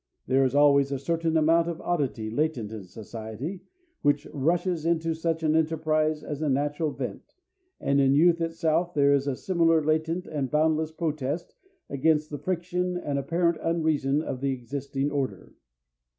There is always a certain amount of oddity latent in society, which rushes into such an enterprise as a natural vent, and in youth itself there is a similar latent and boundless protest against the friction and apparent unreason of the existing order.